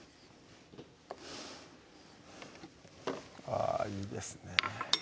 あぁいいですね